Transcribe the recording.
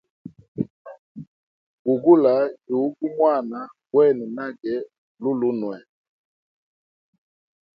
Bugula yugu mwana gwene nage lulunwe.